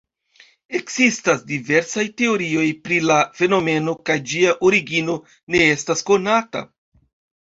Ekzistas diversaj teorioj pri la fenomeno kaj ĝia origino ne estas konata.